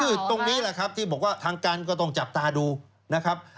คือตรงนี้แหละครับที่บอกว่าทางการก็ต้องจับตาดูนะครับ